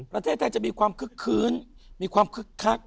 ประเทศไทยจะมีความคึกคื้นมีความคึกคัก